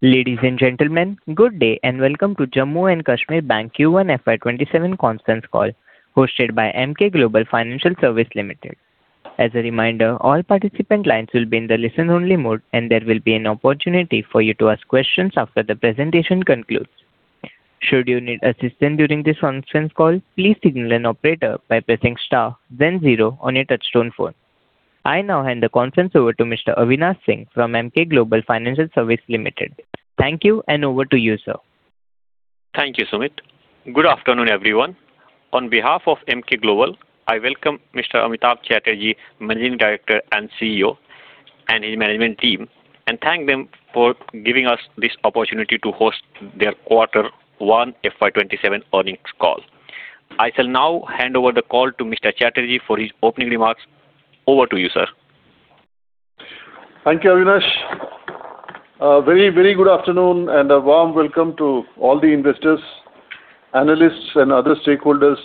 Ladies and gentlemen, good day and welcome to Jammu and Kashmir Bank Q1 FY 2027 conference call, hosted by Emkay Global Financial Services Ltd. As a reminder, all participant lines will be in the listen only mode, and there will be an opportunity for you to ask questions after the presentation concludes. Should you need assistance during this conference call, please signal an operator by pressing star then zero on your touch tone phone. I now hand the conference over to Mr. Avinash Singh from Emkay Global Financial Services Ltd. Thank you, and over to you, sir. Thank you, Sumit. Good afternoon, everyone. On behalf of Emkay Global, I welcome Mr. Amitava Chatterjee, Managing Director and CEO, and his management team, and thank them for giving us this opportunity to host their quarter one FY 2027 earnings call. I shall now hand over the call to Mr. Chatterjee for his opening remarks. Over to you, sir. Thank you, Avinash. A very good afternoon and a warm welcome to all the investors, analysts, and other stakeholders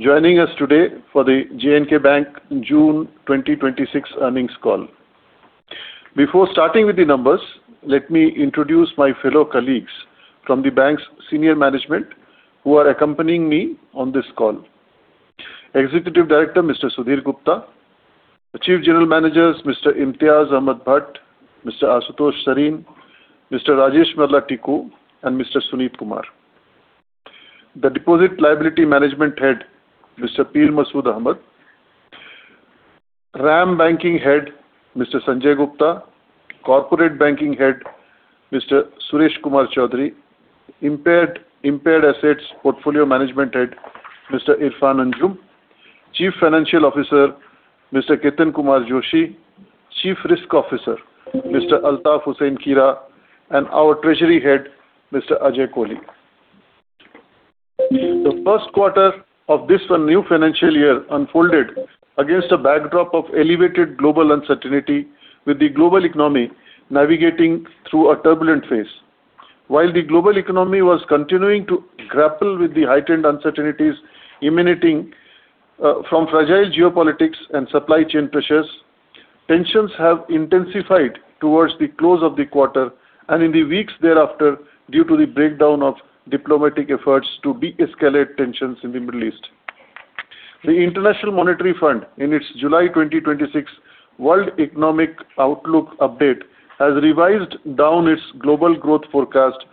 joining us today for the J&K Bank June 2026 earnings call. Before starting with the numbers, let me introduce my fellow colleagues from the bank's senior management who are accompanying me on this call. Executive Director, Mr. Sudhir Gupta; the Chief General Managers, Mr. Imtiyaz Ahmad Bhat; Mr. Ashutosh Sareen; Mr. Rajesh Malla Tikoo; and Mr. Sumit Kumar. The Deposit Liability Management Head, Mr. Peer Masood Ahmad; RAM Banking Head, Mr. Sanjay Gupta; Corporate Banking Head, Mr. Suresh Kumar Chowdhary; Impaired Assets Portfolio Management Head, Mr. Irfan Anjum; Chief Financial Officer, Mr. Ketan Kumar Joshi; Chief Risk Officer, Mr. Altaf Hussain Kira; our Treasury Head, Mr. Ajay Kohli. The first quarter of this new financial year unfolded against a backdrop of elevated global uncertainty, with the global economy navigating through a turbulent phase. While the global economy was continuing to grapple with the heightened uncertainties emanating from fragile geopolitics and supply chain pressures, tensions have intensified towards the close of the quarter and in the weeks thereafter, due to the breakdown of diplomatic efforts to de-escalate tensions in the Middle East. The International Monetary Fund, in its July 2026 World Economic Outlook update, has revised down its global growth forecast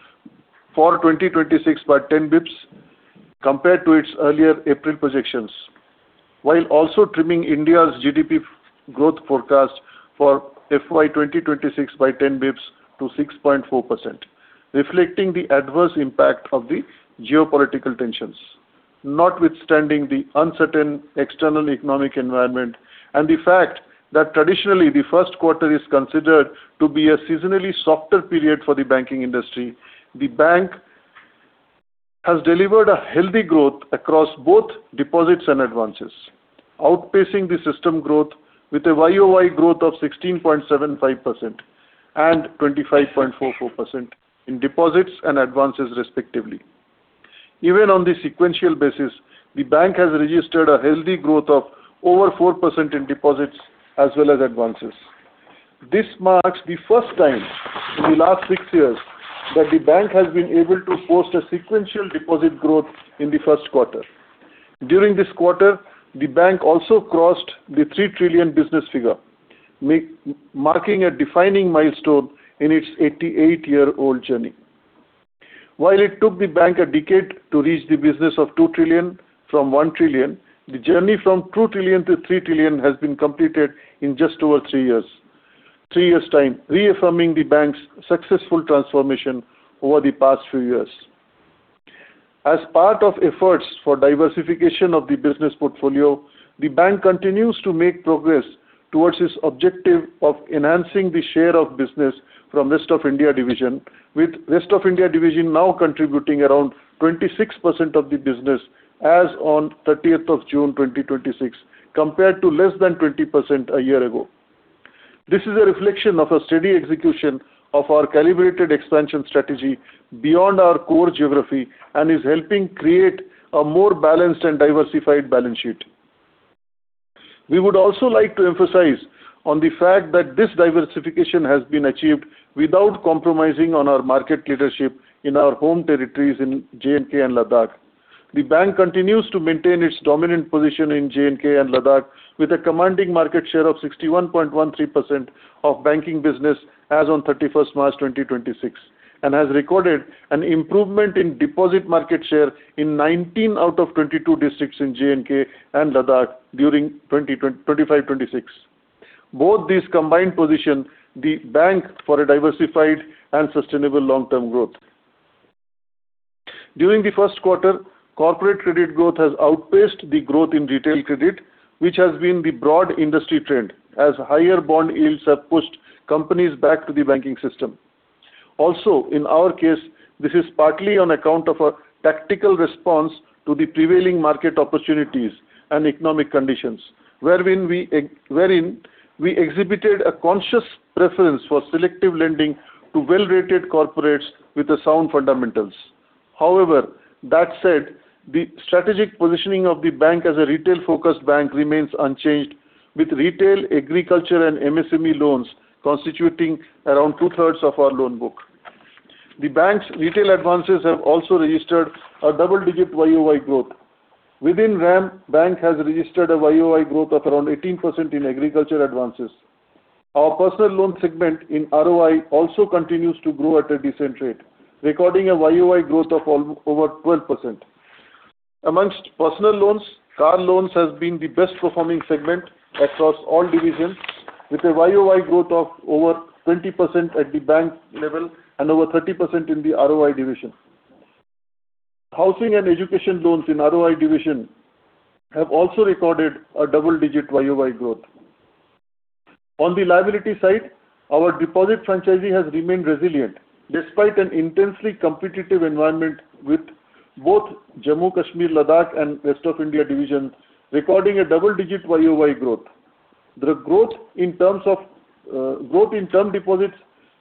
for 2026 by 10 basis points, compared to its earlier April projections. While also trimming India's GDP growth forecast for FY 2026 by 10 basis points to 6.4%, reflecting the adverse impact of the geopolitical tensions. Notwithstanding the uncertain external economic environment and the fact that traditionally the first quarter is considered to be a seasonally softer period for the banking industry, the bank has delivered a healthy growth across both deposits and advances, outpacing the system growth with a year-over-year growth of 16.75% and 25.44% in deposits and advances, respectively. Even on the sequential basis, the bank has registered a healthy growth of over 4% in deposits as well as advances. This marks the first time in the last six years that the bank has been able to post a sequential deposit growth in the first quarter. During this quarter, the bank also crossed the 3 trillion business figure, marking a defining milestone in its 88-year-old journey. While it took the bank a decade to reach the business of 2 trillion from 1 trillion, the journey from 2 trillion-3 trillion has been completed in just over three years' time, reaffirming the bank's successful transformation over the past few years. As part of efforts for diversification of the business portfolio, the bank continues to make progress towards its objective of enhancing the share of business from Rest of India division, with Rest of India division now contributing around 26% of the business as on June 30th, 2026, compared to less than 20% a year ago. This is a reflection of a steady execution of our calibrated expansion strategy beyond our core geography and is helping create a more balanced and diversified balance sheet. We would also like to emphasize on the fact that this diversification has been achieved without compromising on our market leadership in our home territories in J&K and Ladakh. The bank continues to maintain its dominant position in J&K and Ladakh with a commanding market share of 61.13% of banking business as on March 31st, 2026, and has recorded an improvement in deposit market share in 19 out of 22 districts in J&K and Ladakh during 2025/2026. Both these combined position the bank for a diversified and sustainable long-term growth. During the first quarter, corporate credit growth has outpaced the growth in retail credit, which has been the broad industry trend, as higher bond yields have pushed companies back to the banking system. In our case, this is partly on account of a tactical response to the prevailing market opportunities and economic conditions, wherein we exhibited a conscious preference for selective lending to well-rated corporates with sound fundamentals. That said, the strategic positioning of the bank as a retail-focused bank remains unchanged, with retail, agriculture, and MSME loans constituting around 2/3 of our loan book. The bank's retail advances have also registered a double-digit year-over-year growth. Within RAM, bank has registered a year-over-year growth of around 18% in agriculture advances. Our personal loan segment in ROI also continues to grow at a decent rate, recording a year-over-year growth of over 12%. Amongst personal loans, car loans has been the best performing segment across all divisions, with a year-over-year growth of over 20% at the bank level and over 30% in the ROI division. Housing and education loans in ROI division have also recorded a double-digit year-over-year growth. On the liability side, our deposit franchise has remained resilient despite an intensely competitive environment with both Jammu and Kashmir, Ladakh, and West of India division recording a double-digit year-over-year growth. The growth in term deposits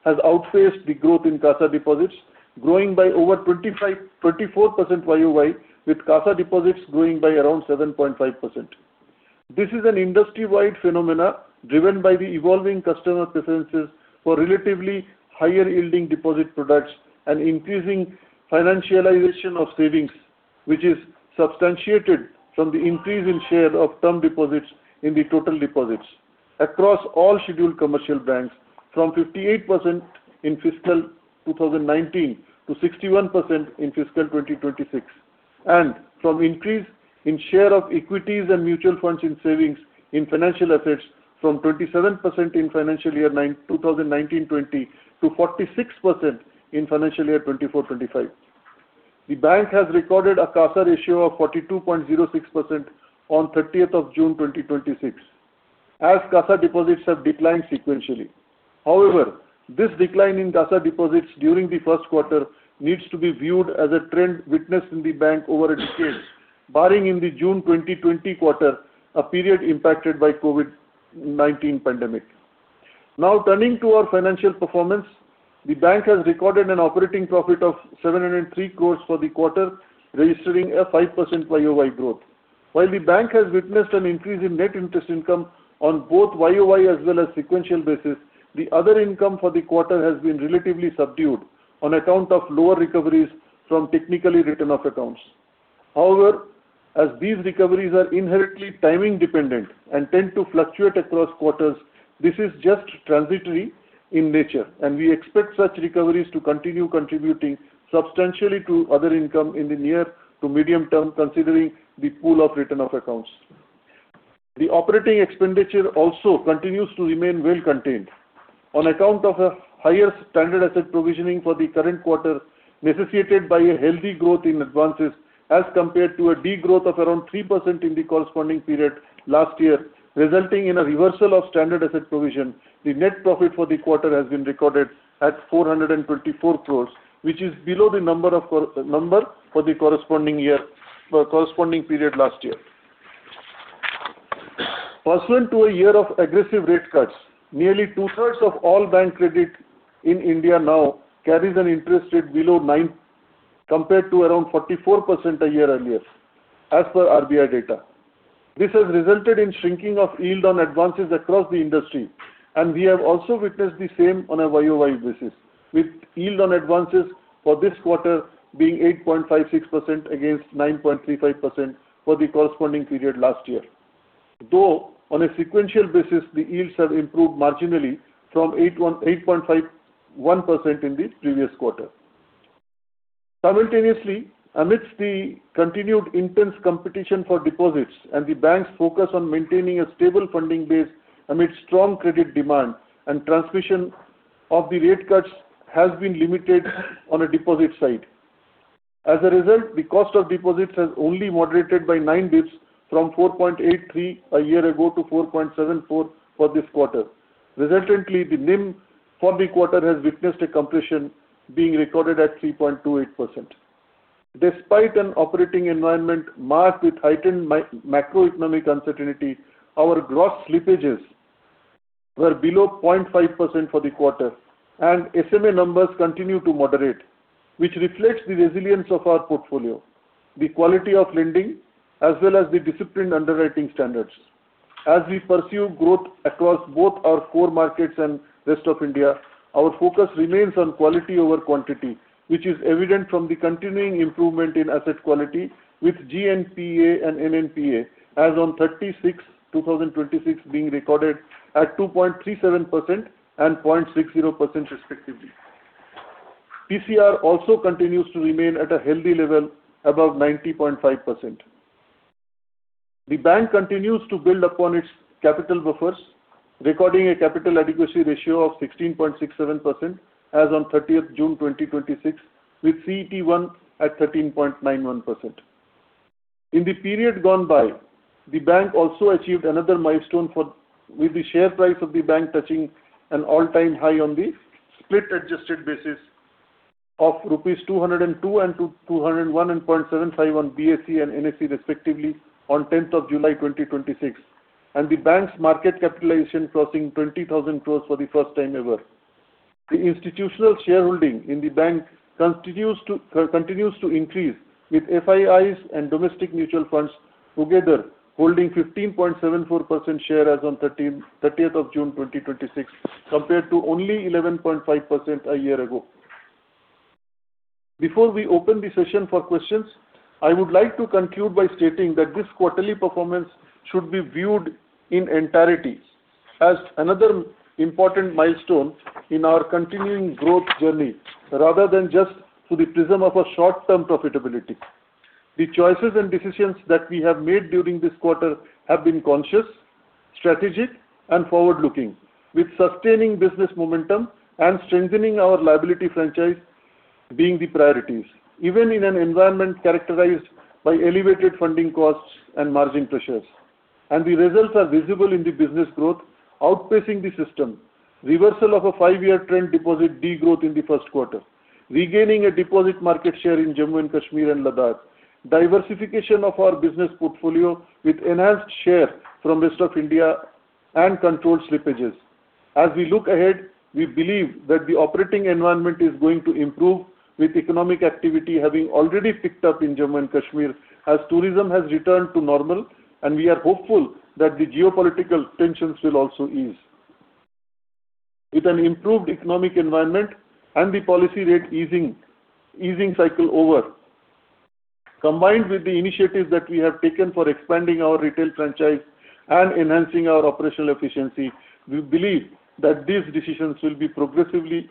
has outpaced the growth in CASA deposits, growing by over 24% year-over-year, with CASA deposits growing by around 7.5%. This is an industry-wide phenomenon driven by the evolving customer preferences for relatively higher-yielding deposit products and increasing financialization of savings, which is substantiated from the increase in share of term deposits in the total deposits across all scheduled commercial banks from 58% in fiscal 2019 to 61% in fiscal 2026, and from increase in share of equities and mutual funds in savings in financial assets from 27% in financial year 2019-2020 to 46% in financial year 2024-2025. The bank has recorded a CASA ratio of 42.06% on June 30th, 2026, as CASA deposits have declined sequentially. However, this decline in CASA deposits during the first quarter needs to be viewed as a trend witnessed in the bank over a decade, barring in the June 2020 quarter, a period impacted by COVID-19 pandemic. Turning to our financial performance. The bank has recorded an operating profit of 703 crore for the quarter, registering a 5% year-over-year growth. While the bank has witnessed an increase in net interest income on both year-over-year as well as sequential basis, the other income for the quarter has been relatively subdued on account of lower recoveries from technically written-off accounts. As these recoveries are inherently timing dependent and tend to fluctuate across quarters, this is just transitory in nature, and we expect such recoveries to continue contributing substantially to other income in the near to medium term, considering the pool of written-off accounts. The operating expenditure also continues to remain well contained. On account of a higher standard asset provisioning for the current quarter, necessitated by a healthy growth in advances as compared to a degrowth of around 3% in the corresponding period last year, resulting in a reversal of standard asset provision, the net profit for the quarter has been recorded at 424 crore, which is below the number for the corresponding period last year. Pursuant to a year of aggressive rate cuts, nearly two-thirds of all bank credit in India now carries an interest rate below nine, compared to around 44% a year earlier, as per RBI data. This has resulted in shrinking of yield on advances across the industry, and we have also witnessed the same on a year-over-year basis, with yield on advances for this quarter being 8.56% against 9.35% for the corresponding period last year. On a sequential basis, the yields have improved marginally from 8.51% in the previous quarter. Amidst the continued intense competition for deposits and the bank's focus on maintaining a stable funding base amid strong credit demand and transmission of the rate cuts has been limited on a deposit side. The cost of deposits has only moderated by nine basis points from 4.83% a year ago to 4.74% for this quarter. Resultantly, the NIM for the quarter has witnessed a compression being recorded at 3.28%. Despite an operating environment marked with heightened macroeconomic uncertainty, our gross slippages were below 0.5% for the quarter, and SMA numbers continue to moderate, which reflects the resilience of our portfolio, the quality of lending, as well as the disciplined underwriting standards. As we pursue growth across both our core markets and rest of India, our focus remains on quality over quantity, which is evident from the continuing improvement in asset quality with GNPA and NNPA as on 30/6/2026 being recorded at 2.37% and 0.60% respectively. PCR also continues to remain at a healthy level above 90.5%. The bank continues to build upon its capital buffers, recording a capital adequacy ratio of 16.67% as on June 30th, 2026, with CET1 at 13.91%. In the period gone by, the bank also achieved another milestone with the share price of the bank touching an all-time high on the split adjusted basis of rupees 202 and 201.75 on BSE and NSE, respectively, on July 10th, 2026. The bank's market capitalization crossing 20,000 crore for the first time ever. The institutional shareholding in the bank continues to increase, with FIIs and domestic mutual funds together holding 15.74% share as on June 30th, 2026, compared to only 11.5% a year ago. Before we open the session for questions, I would like to conclude by stating that this quarterly performance should be viewed in entirety as another important milestone in our continuing growth journey, rather than just through the prism of short-term profitability. The choices and decisions that we have made during this quarter have been conscious, strategic, and forward-looking, with sustaining business momentum and strengthening our liability franchise being the priorities, even in an environment characterized by elevated funding costs and margin pressures. The results are visible in the business growth outpacing the system, reversal of a five-year trend deposit degrowth in the first quarter, regaining a deposit market share in Jammu and Kashmir and Ladakh, diversification of our business portfolio with enhanced share from rest of India, and controlled slippages. As we look ahead, we believe that the operating environment is going to improve with economic activity having already picked up in Jammu and Kashmir as tourism has returned to normal, and we are hopeful that the geopolitical tensions will also ease. With an improved economic environment and the policy rate easing cycle over, combined with the initiatives that we have taken for expanding our retail franchise and enhancing our operational efficiency, we believe that these decisions will progressively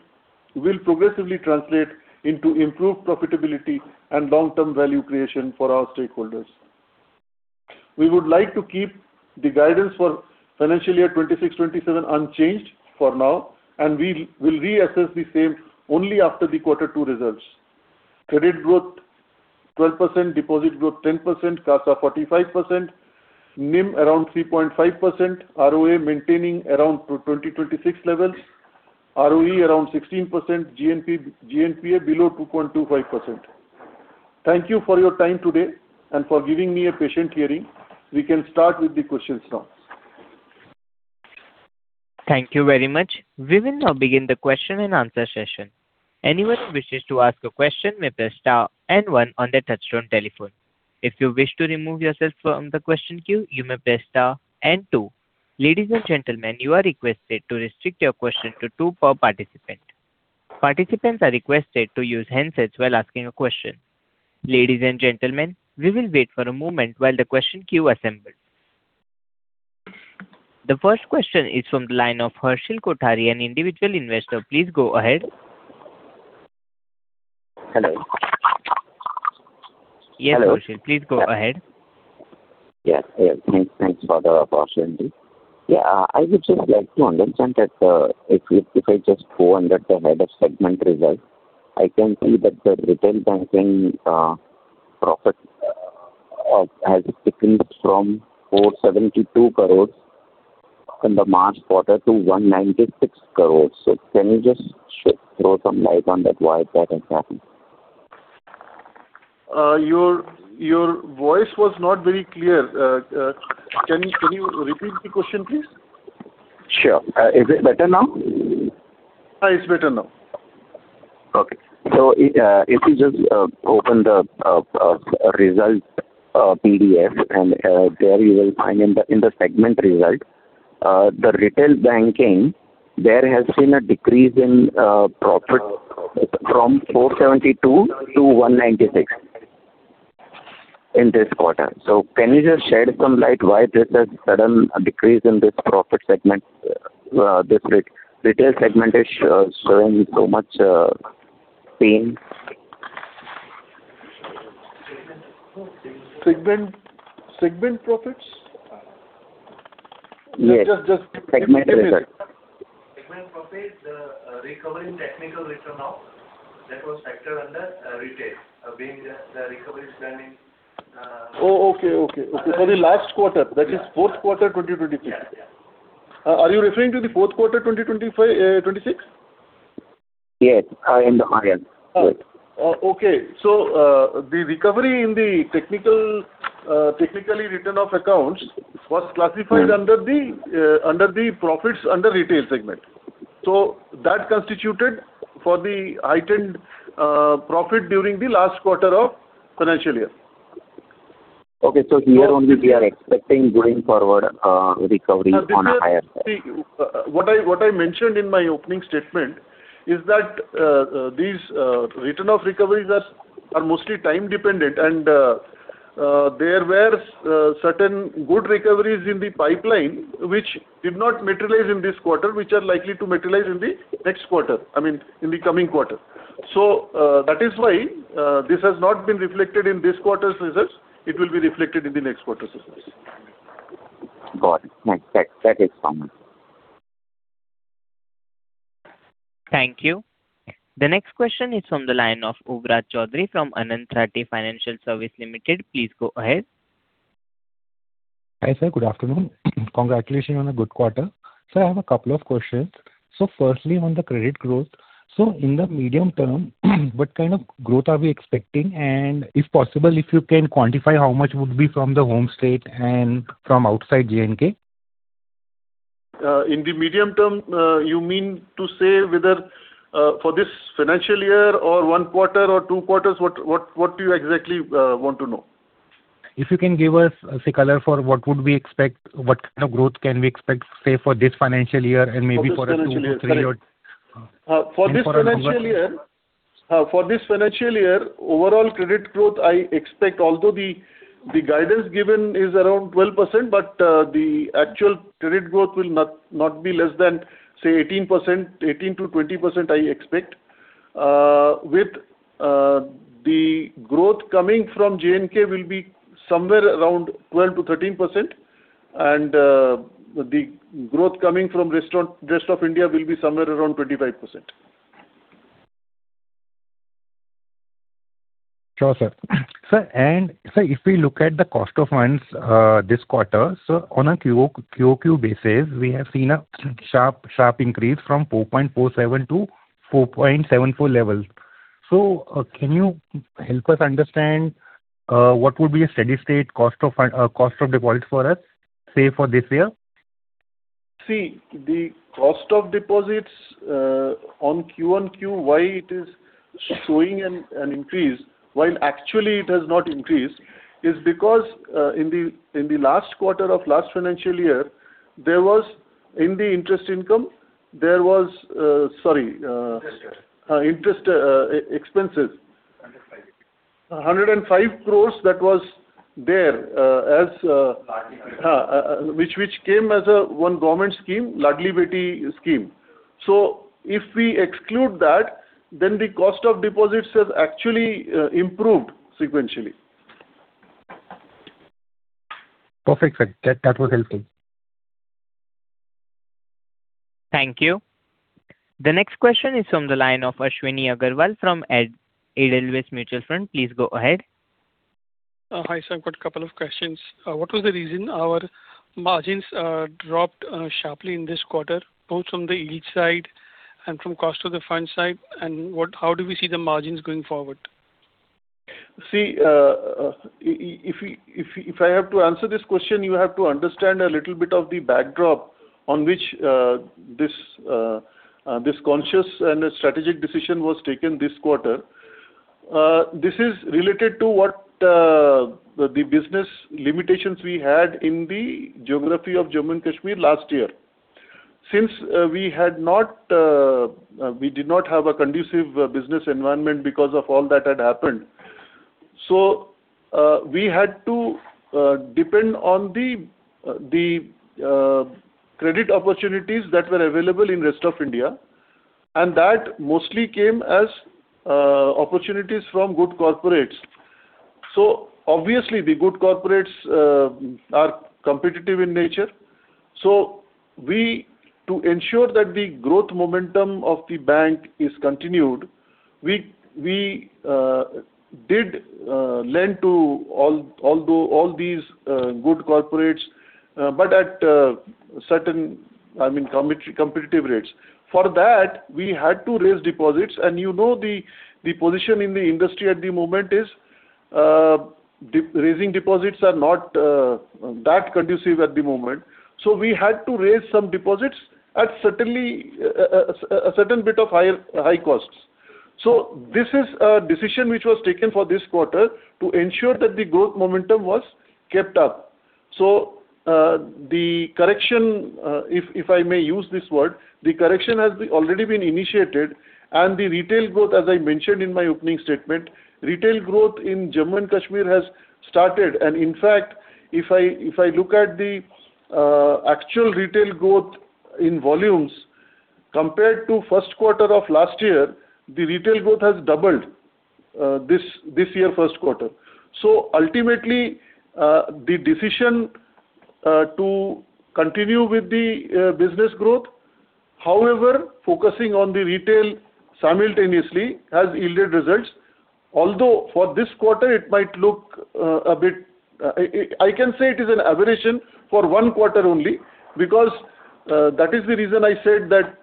translate into improved profitability and long-term value creation for our stakeholders. We would like to keep the guidance for financial year 2026-2027 unchanged for now, and we will reassess the same only after the quarter two results. Credit growth 12%, deposit growth 10%, CASA 45%, NIM around 3.5%, ROA maintaining around 2026 levels, ROE around 16%, GNPA below 2.25%. Thank you for your time today and for giving me a patient hearing. We can start with the questions now. Thank you very much. We will now begin the question and answer session. Anyone who wishes to ask a question may press star and one on their touchtone telephone. If you wish to remove yourself from the question queue, you may press star and two. Ladies and gentlemen, you are requested to restrict your question to two per participant. Participants are requested to use handsets while asking a question. Ladies and gentlemen, we will wait for a moment while the question queue assembles. The first question is from the line of Hersheel Kothari, an Individual Investor. Please go ahead. Hello. Yes, Hersheel, please go ahead. Yeah. Thanks for the opportunity. I would just like to understand that if I just go under the head of segment results, I can see that the retail banking profit has thickened from 472 crore in the March quarter to 196 crore. Can you just throw some light on that, why that has happened? Your voice was not very clear. Can you repeat the question, please? Sure. Is it better now? It's better now. Okay. If you just open the results PDF, there you will find in the segment result, the retail banking, there has been a decrease in profit from 472-196 in this quarter. Can you just shed some light why there's a sudden decrease in this profit segment? This retail segment is showing so much pain. Segment profits? Yes. Segment result. Segment profit recovering technical return now that was factored under retail, being the recovery standing. Okay. For the last quarter, that is fourth quarter 2023. Are you referring to the fourth quarter 2026? Yes. In the current. Okay. The recovery in the technically written off accounts was classified under the profits under retail segment. That constituted for the heightened profit during the last quarter of financial year. Okay. Here only we are expecting going forward recovery on a higher side. What I mentioned in my opening statement is that these return of recoveries are mostly time-dependent, and there were certain good recoveries in the pipeline which did not materialize in this quarter, which are likely to materialize in the coming quarter. That is why this has not been reflected in this quarter's results. It will be reflected in the next quarter's results. Got it. Thanks. That is fine. Thank you. The next question is from the line of Yuvraj Chaudhary from Anand Rathi Financial Services Ltd. Please go ahead. Hi, sir. Good afternoon. Congratulations on a good quarter. Sir, I have a couple of questions. Firstly, on the credit growth. In the medium term, what kind of growth are we expecting? And if possible, if you can quantify how much would be from the home state and from outside J&K. In the medium term, you mean to say whether for this financial year or one quarter or two quarters, what do you exactly want to know? If you can give us a color for what kind of growth can we expect, say, for this financial year and maybe for two or three years. For this financial year, overall credit growth, I expect although the guidance given is around 12%, but the actual credit growth will not be less than, say, 18%-20%, I expect. With the growth coming from J&K will be somewhere around 12%-13%, and the growth coming from rest of India will be somewhere around 25%. Sure, sir. Sir, if we look at the cost of funds this quarter, on a quarter-over-quarter basis, we have seen a sharp increase from 4.47%-4.74% level. Can you help us understand what would be a steady state cost of deposit for us, say, for this year? See, the cost of deposits on quarter-over-quarter, why it is showing an increase while actually it has not increased is because in the last quarter of last financial year, there was in the interest expenses. 105 crores that was there as Ladli Beti. Which came as a one government scheme, Ladli Beti Scheme. If we exclude that, then the cost of deposits has actually improved sequentially. Perfect, sir. That was helpful. Thank you. The next question is from the line of Ashwani Agarwalla from Edelweiss Mutual Fund. Please go ahead. Hi, sir, I've got a couple of questions. What was the reason our margins dropped sharply in this quarter, both from the yield side and from cost of the fund side, and how do we see the margins going forward? See, if I have to answer this question, you have to understand a little bit of the backdrop on which this conscious and strategic decision was taken this quarter. This is related to what the business limitations we had in the geography of Jammu and Kashmir last year. Since we did not have a conducive business environment because of all that had happened. We had to depend on the credit opportunities that were available in rest of India, and that mostly came as opportunities from good corporates. Obviously the good corporates are competitive in nature. To ensure that the growth momentum of the bank is continued, we did lend to all these good corporates, but at certain competitive rates. For that, we had to raise deposits, and you know the position in the industry at the moment is raising deposits are not that conducive at the moment. We had to raise some deposits at a certain bit of high costs. This is a decision which was taken for this quarter to ensure that the growth momentum was kept up. The correction, if I may use this word, the correction has already been initiated and the retail growth, as I mentioned in my opening statement, retail growth in Jammu and Kashmir has started and in fact, if I look at the actual retail growth in volumes compared to first quarter of last year, the retail growth has doubled this year first quarter. Ultimately, the decision to continue with the business growth, however, focusing on the retail simultaneously has yielded results. Although for this quarter it might look I can say it is an aberration for one quarter only because that is the reason I said that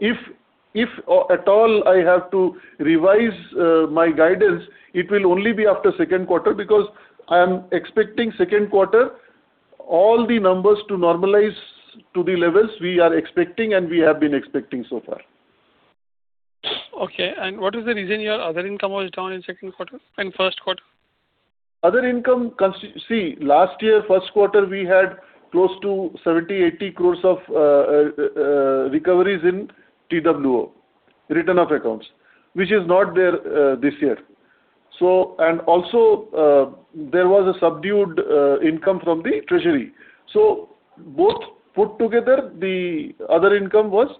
if at all I have to revise my guidance, it will only be after second quarter because I am expecting second quarter all the numbers to normalize to the levels we are expecting and we have been expecting so far. Okay. What is the reason your other income was down in first quarter? Other income, see, last year first quarter, we had close to 70 crore, 80 crore of recoveries in TWO, written-off accounts, which is not there this year. Also there was a subdued income from the treasury. Both put together, the other income was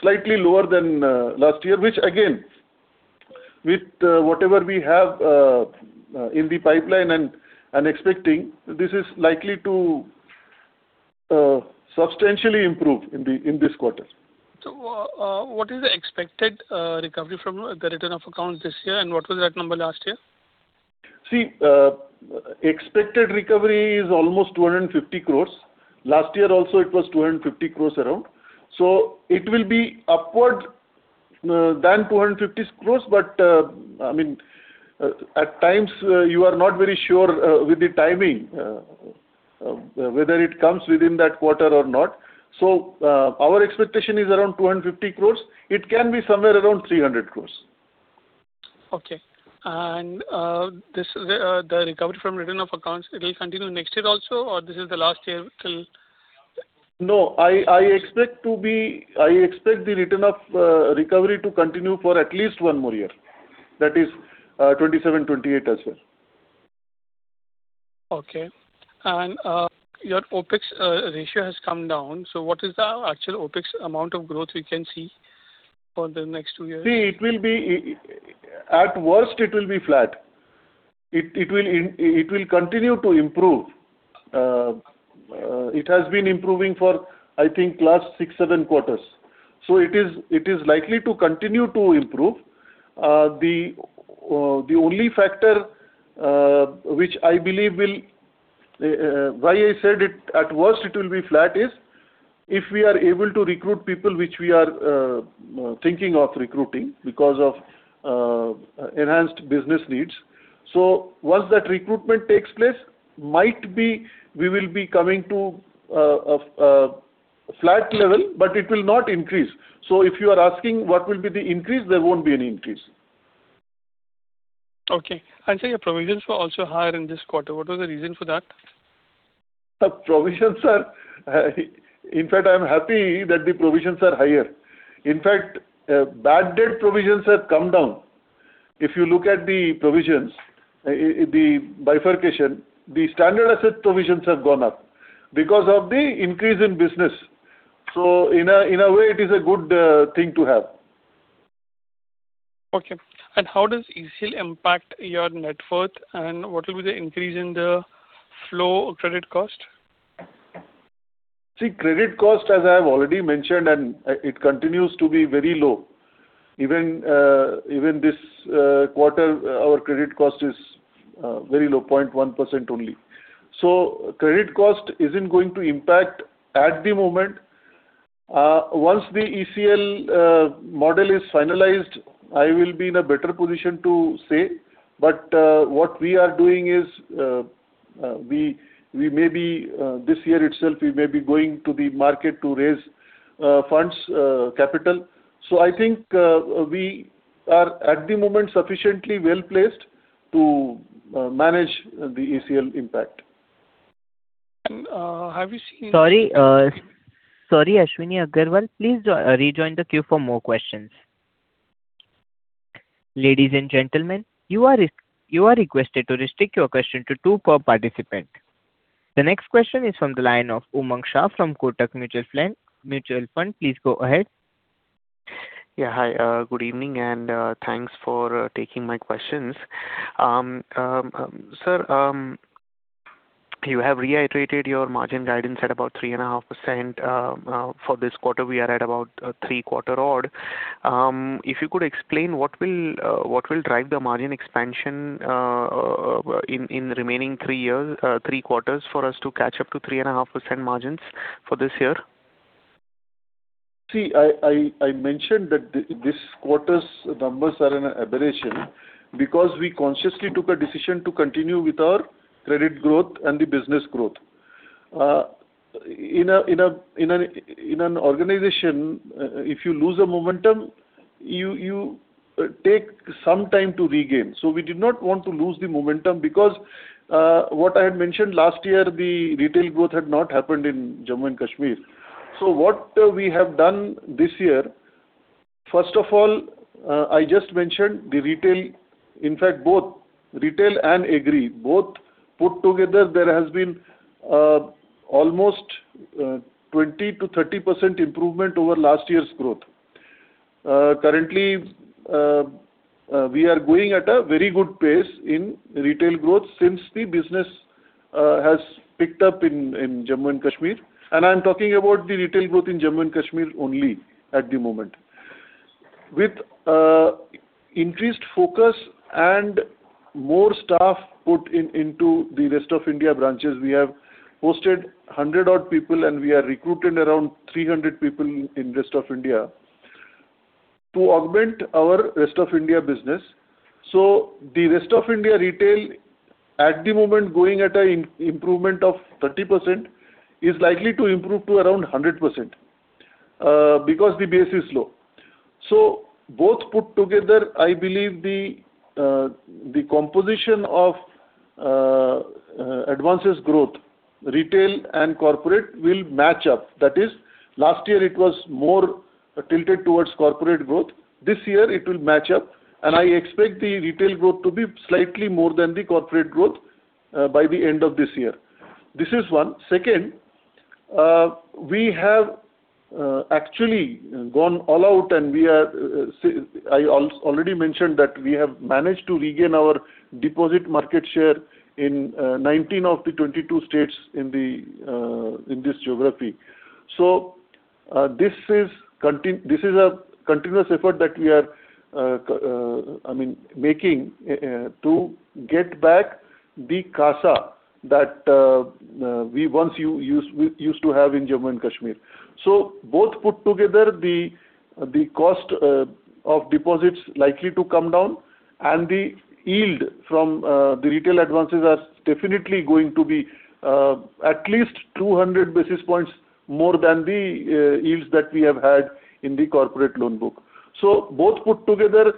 slightly lower than last year, which again, with whatever we have in the pipeline and expecting, this is likely to substantially improve in this quarter. What is the expected recovery from the written off accounts this year, and what was that number last year? See, expected recovery is almost 250 crore. Last year also it was 250 crore around. It will be upward than 250 crore, but at times you are not very sure with the timing, whether it comes within that quarter or not. Our expectation is around 250 crore. It can be somewhere around 300 crore. Okay. The recovery from written off accounts, it will continue next year also or this is the last year till. No, I expect the written off recovery to continue for at least one more year. That is 2027/2028 as well. Okay. Your OpEx ratio has come down. What is the actual OpEx amount of growth we can see for the next two years? See, at worst it will be flat. It will continue to improve. It has been improving for I think last six, seven quarters. It is likely to continue to improve. The only factor which I believe will. Why I said at worst it will be flat is, if we are able to recruit people which we are thinking of recruiting because of enhanced business needs. Once that recruitment takes place, might be we will be coming to a flat level, but it will not increase. If you are asking what will be the increase, there won't be any increase. Okay. Sir, your provisions were also higher in this quarter. What was the reason for that? Provisions are, in fact, I'm happy that the provisions are higher. In fact, bad debt provisions have come down. If you look at the provisions, the bifurcation, the standard asset provisions have gone up because of the increase in business. In a way, it is a good thing to have. Okay. How does ECL impact your net worth, and what will be the increase in the flow of credit cost? See, credit cost, as I have already mentioned, it continues to be very low. Even this quarter, our credit cost is very low, 0.1% only. Credit cost isn't going to impact at the moment. Once the ECL model is finalized, I will be in a better position to say. What we are doing is, this year itself we may be going to the market to raise funds, capital. I think we are at the moment sufficiently well-placed to manage the ECL impact. Have you seen? Sorry, Ashwani Agarwalla, please rejoin the queue for more questions. Ladies and gentlemen, you are requested to restrict your question to two per participant. The next question is from the line of Umang Shah from Kotak Mutual Fund. Please go ahead. Hi, good evening, and thanks for taking my questions. Sir, you have reiterated your margin guidance at about 3.5%. For this quarter, we are at about three quarter odd. If you could explain what will drive the margin expansion in the remaining three quarters for us to catch up to 3.5% margins for this year. I mentioned that this quarter's numbers are in an aberration because we consciously took a decision to continue with our credit growth and the business growth. In an organization, if you lose the momentum, you take some time to regain. We did not want to lose the momentum because what I had mentioned last year, the retail growth had not happened in Jammu and Kashmir. What we have done this year, first of all, I just mentioned the retail, in fact, both retail and agri, both put together, there has been almost 20%-30% improvement over last year's growth. Currently, we are going at a very good pace in retail growth since the business has picked up in Jammu and Kashmir. I'm talking about the retail growth in Jammu and Kashmir only at the moment. With increased focus and more staff put into the rest of India branches, we have hosted 100 odd people, and we have recruited around 300 people in rest of India to augment our rest of India business. The rest of India retail at the moment going at an improvement of 30%, is likely to improve to around 100% because the base is low. Both put together, I believe the composition of advances growth, retail and corporate will match up. That is, last year it was more tilted towards corporate growth. This year it will match up, and I expect the retail growth to be slightly more than the corporate growth by the end of this year. This is one. Second, we have actually gone all out, and I already mentioned that we have managed to regain our deposit market share in 19 of the 22 states in this geography. This is a continuous effort that we are making to get back the CASA that we once used to have in Jammu and Kashmir. Both put together, the cost of deposits likely to come down and the yield from the retail advances are definitely going to be at least 200 basis points more than the yields that we have had in the corporate loan book. Both put together,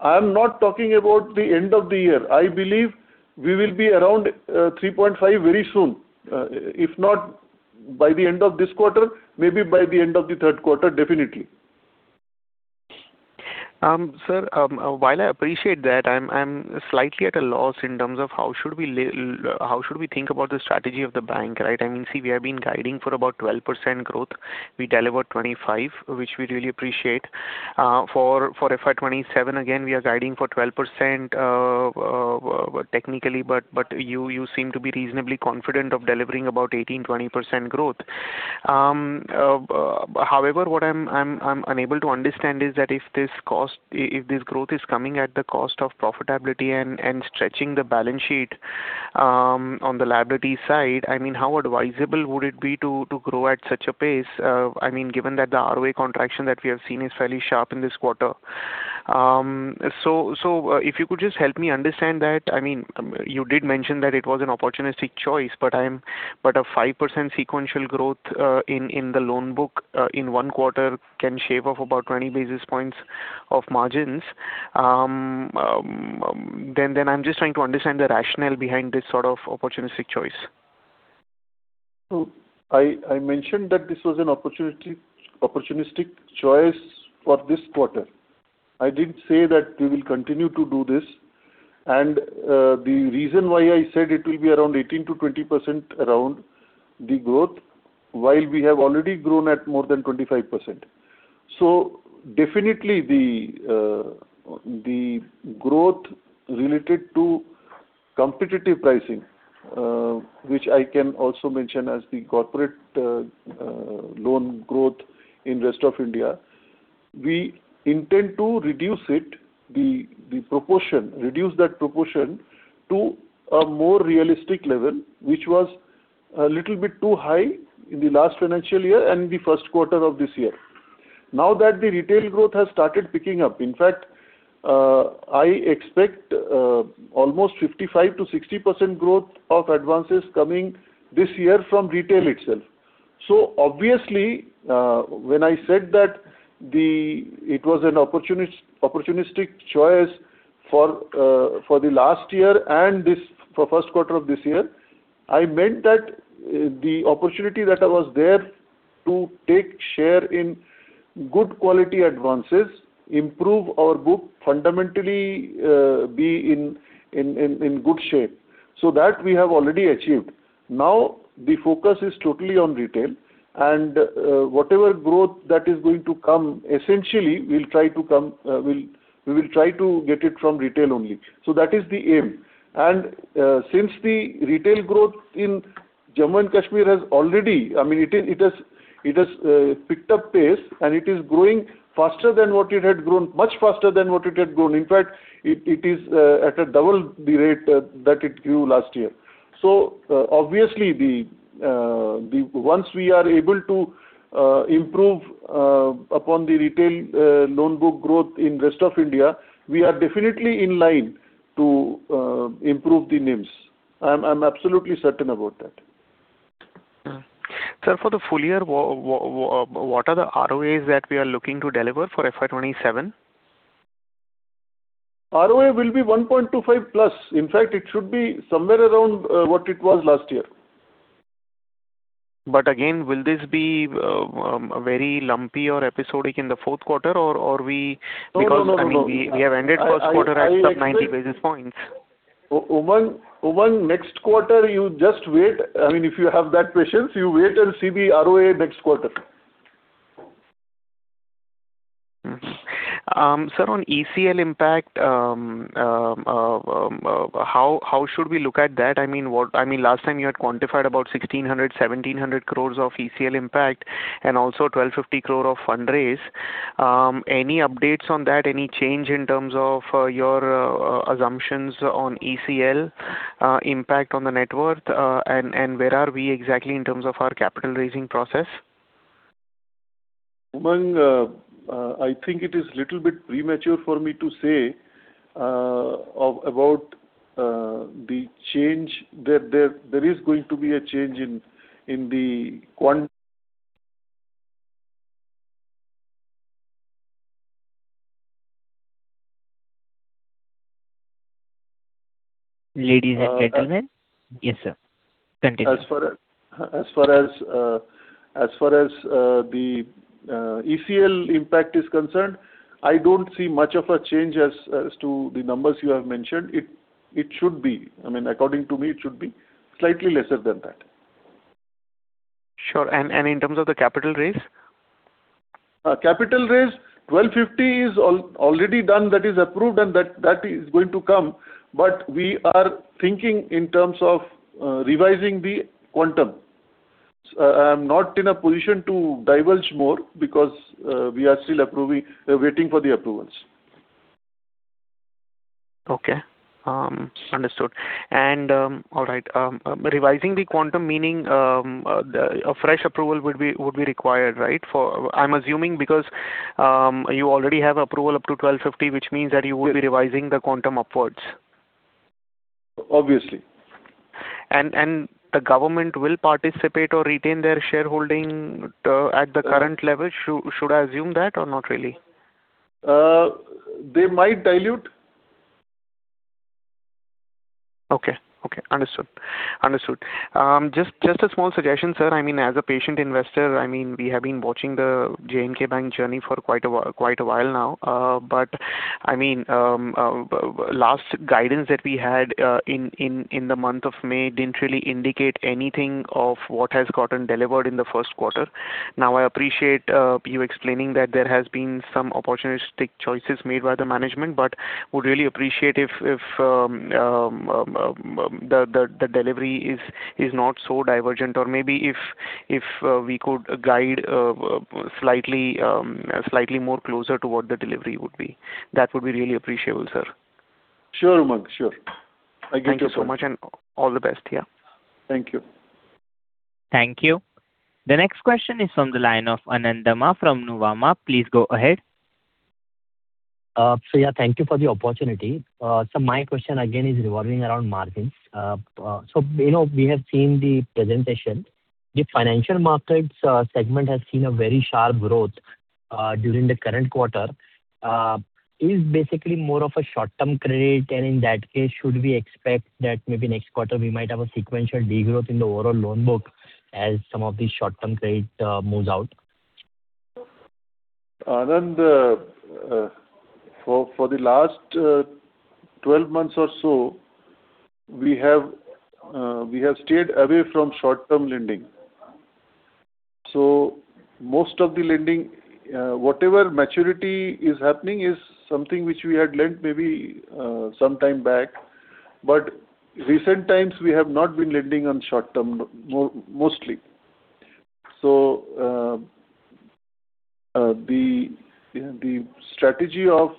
I'm not talking about the end of the year. I believe we will be around 3.5% very soon. If not by the end of this quarter, maybe by the end of the third quarter, definitely. Sir, while I appreciate that, I'm slightly at a loss in terms of how should we think about the strategy of the bank, right? We have been guiding for about 12% growth. We delivered 25%, which we really appreciate. For FY 2027, again, we are guiding for 12% technically, but you seem to be reasonably confident of delivering about 18%-20% growth. However, what I'm unable to understand is that if this growth is coming at the cost of profitability and stretching the balance sheet on the liability side, how advisable would it be to grow at such a pace? Given that the ROA contraction that we have seen is fairly sharp in this quarter. If you could just help me understand that. You did mention that it was an opportunistic choice, a 5% sequential growth in the loan book in one quarter can shave off about 20 basis points of margins. I'm just trying to understand the rationale behind this sort of opportunistic choice. I mentioned that this was an opportunistic choice for this quarter. I didn't say that we will continue to do this, the reason why I said it will be around 18%-20% around the growth, while we have already grown at more than 25%. Definitely the growth related to competitive pricing, which I can also mention as the corporate loan growth in rest of India. We intend to reduce it, reduce that proportion to a more realistic level, which was a little bit too high in the last financial year and the first quarter of this year. Now that the retail growth has started picking up, in fact, I expect almost 55%-60% growth of advances coming this year from retail itself. Obviously, when I said that it was an opportunistic choice for the last year and for first quarter of this year, I meant that the opportunity that was there to take share in good quality advances, improve our book, fundamentally be in good shape. That we have already achieved. Now the focus is totally on retail and whatever growth that is going to come, essentially, we will try to get it from retail only. That is the aim. Since the retail growth in Jammu and Kashmir has already picked up pace, and it is growing much faster than what it had grown. In fact, it is at a double the rate that it grew last year. Obviously, once we are able to improve upon the retail loan book growth in rest of India, we are definitely in line to improve the NIMs. I'm absolutely certain about that. Sir, for the full year, what are the ROAs that we are looking to deliver for FY 2027? ROA will be 1.25%+. In fact, it should be somewhere around what it was last year. Again, will this be very lumpy or episodic in the fourth quarter? No. We have ended first quarter at sub 90 basis points. Umang, next quarter you just wait. If you have that patience, you wait and see the ROA next quarter. Sir, on ECL impact, how should we look at that? Last time you had quantified about 1,600 crore, 1,700 crore of ECL impact and also 1,250 crore of fundraise. Any updates on that? Any change in terms of your assumptions on ECL impact on the net worth, and where are we exactly in terms of our capital raising process? Umang, I think it is little bit premature for me to say about the change. There is going to be a change in the- Ladies and gentlemen. Yes, sir. Continue. As far as the ECL impact is concerned, I do not see much of a change as to the numbers you have mentioned. According to me, it should be slightly lesser than that. Sure. In terms of the capital raise? Capital raise 1,250 is already done. That is approved and that is going to come. We are thinking in terms of revising the quantum. I am not in a position to divulge more because we are still waiting for the approvals. Okay. Understood. All right. Revising the quantum meaning a fresh approval would be required, right? I'm assuming because you already have approval up to 1,250, which means that you would be revising the quantum upwards. Obviously. The government will participate or retain their shareholding at the current level. Should I assume that or not really? They might dilute. Okay. Understood. Just a small suggestion, sir. As a patient investor, we have been watching the J&K Bank journey for quite a while now. The last guidance that we had in the month of May didn't really indicate anything of what has gotten delivered in the first quarter. I appreciate you explaining that there has been some opportunistic choices made by the management, would really appreciate if the delivery is not so divergent or maybe if we could guide slightly more closer to what the delivery would be. That would be really appreciable, sir. Sure, Umang. Sure. Thank you so much. Thank you so much. All the best. Yeah. Thank you. Thank you. The next question is from the line of Anand Dama from Nuvama. Please go ahead. Sure. Thank you for the opportunity. My question again is revolving around margins. We have seen the presentation. The financial markets segment has seen a very sharp growth during the current quarter. Is basically more of a short-term credit, and in that case, should we expect that maybe next quarter we might have a sequential degrowth in the overall loan book as some of the short-term credit moves out? Anand, for the last 12 months or so, we have stayed away from short-term lending. Most of the lending, whatever maturity is happening is something which we had lent maybe some time back. Recent times, we have not been lending on short-term mostly. The strategy of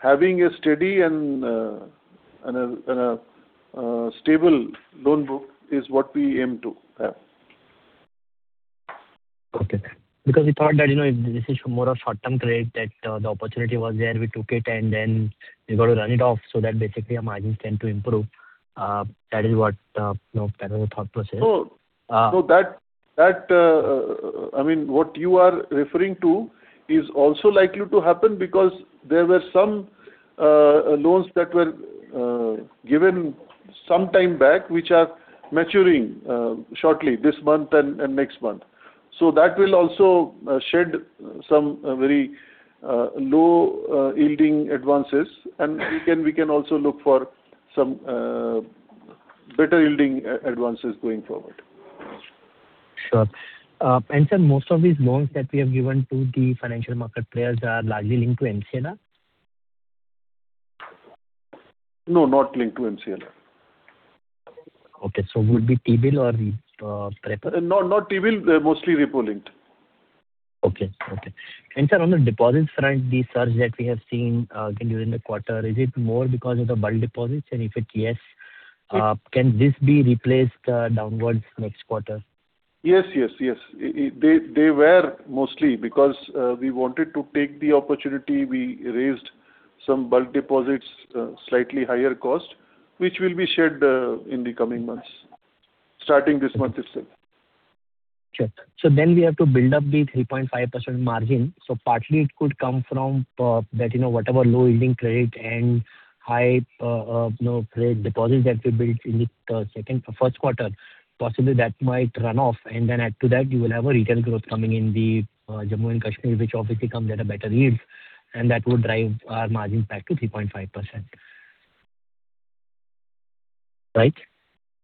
having a steady and a stable loan book is what we aim to have. Okay. We thought that if this is more a short-term credit, that the opportunity was there, we took it, and then we got to run it off so that basically our margins tend to improve. That was the thought process. What you are referring to is also likely to happen because there were some loans that were given some time back, which are maturing shortly this month and next month. That will also shed some very low-yielding advances, and we can also look for some better yielding advances going forward. Sir, most of these loans that we have given to the financial market players are largely linked to MCLR? No, not linked to MCLR. Okay. Would be T-bill or repo? Not T-bill, they're mostly repo linked. Okay. Sir, on the deposits front, the surge that we have seen again during the quarter, is it more because of the bulk deposits? If it yes, can this be replaced downwards next quarter? Yes. They were mostly because we wanted to take the opportunity. We raised some bulk deposits, slightly higher cost, which will be shared in the coming months, starting this month itself. Sure. We have to build up the 3.5% margin. Partly it could come from whatever low-yielding credit and high credit deposits that we built in the first quarter, possibly that might run off and then add to that you will have a retail growth coming in the Jammu and Kashmir, which obviously comes at a better yield, that would drive our margins back to 3.5%. Right?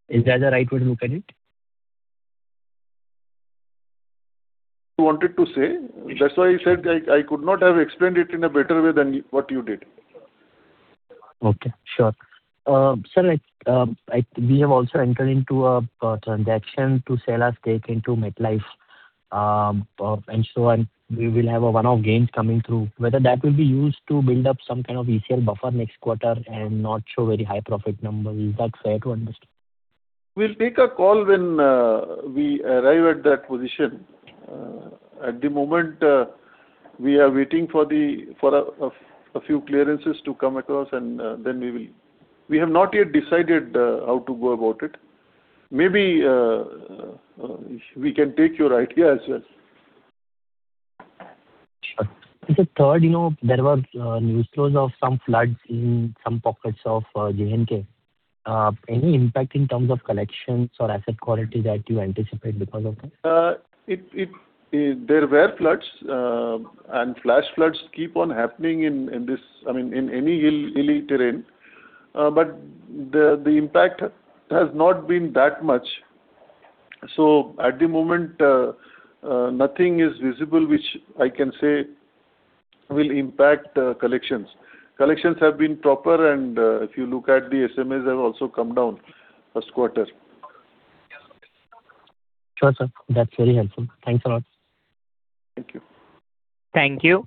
Is that the right way to look at it? You wanted to say. That's why I said I could not have explained it in a better way than what you did. Okay. Sure. Sir, we have also entered into a transaction to sell our stake into MetLife, and so on. We will have a one-off gains coming through. Whether that will be used to build up some kind of ECL buffer next quarter and not show very high profit number. Is that fair to understand? We'll take a call when we arrive at that position. At the moment, we are waiting for a few clearances to come across, and then we will. We have not yet decided how to go about it. Maybe we can take your idea as well. Sure. Third, there were news flows of some floods in some pockets of J&K. Any impact in terms of collections or asset quality that you anticipate because of that? There were floods, and flash floods keep on happening in any hilly terrain. The impact has not been that much. At the moment, nothing is visible which I can say will impact collections. Collections have been proper, and if you look at the SMAs have also come down first quarter. Sure, sir. That's very helpful. Thanks a lot. Thank you. Thank you.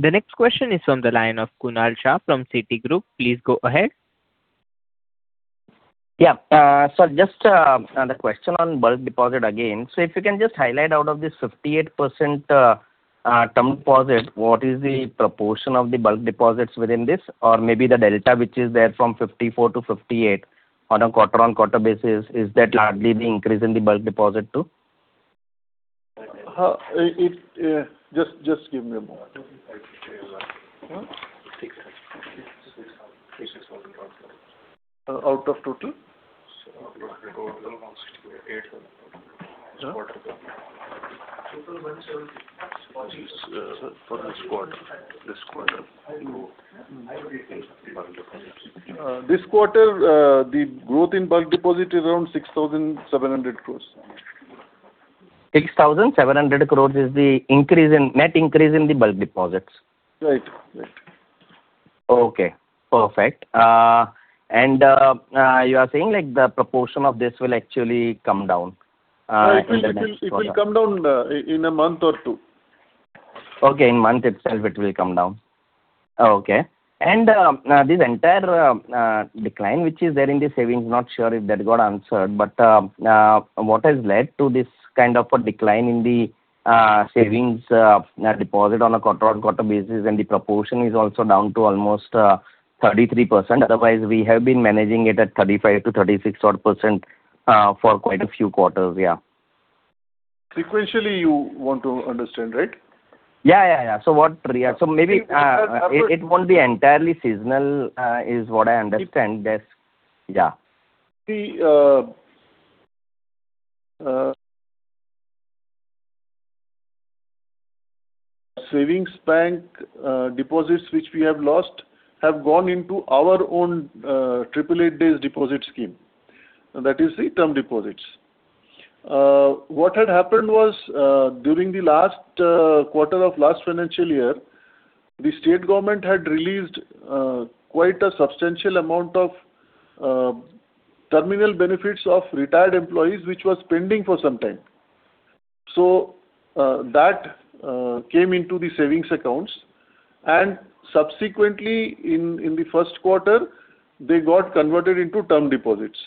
The next question is from the line of Kunal Shah from Citigroup. Please go ahead. Yeah. Sir, just the question on bulk deposit again. If you can just highlight out of this 58% term deposit, what is the proportion of the bulk deposits within this? Or maybe the delta which is there from 54%-58% on a quarter-on-quarter basis. Is that largely the increase in the bulk deposit too? Just give me a moment. INR 6,000 crore. Out of total? Total around 80%. This quarter the growth in bulk deposit is around 6,700 crore. 6,700 crore is the net increase in the bulk deposits. Right. Okay, perfect. You are saying the proportion of this will actually come down? It will come down in a month or two. Okay. In a month itself it will come down. Okay. This entire decline which is there in the savings, not sure if that got answered, but what has led to this kind of a decline in the savings deposit on a quarter-on-quarter basis, and the proportion is also down to almost 33%? Otherwise, we have been managing it at 35%-36% for quite a few quarters, yeah. Sequentially you want to understand, right? Yeah. Maybe it won't be entirely seasonal, is what I understand. Savings bank deposits which we have lost have gone into our own 888-Days deposit scheme. That is the term deposits. What had happened was, during the last quarter of last financial year, the state government had released quite a substantial amount of terminal benefits of retired employees, which was pending for some time. That came into the savings accounts, subsequently in the first quarter, they got converted into term deposits.